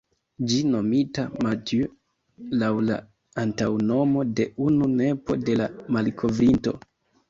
Ĝi nomita ""Mathieu"", laŭ la antaŭnomo de unu nepo de la malkovrinto.